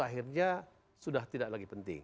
akhirnya sudah tidak lagi penting